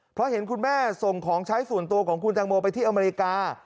เพราะเห็นคุณแม่ส่งของใช้ส่วนตัวของคุณตังโมไปที่อเมริกา